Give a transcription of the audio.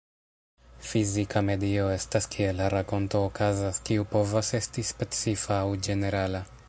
Fizika medio estas kie la rakonto okazas, kiu povas esti specifa aŭ ĝenerala.